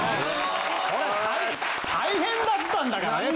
これ大変だったんだからね！